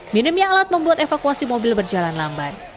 minimnya alat membuat evakuasi mobil berjalan lambat